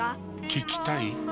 聞きたい？